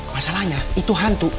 masalahnya itu hantu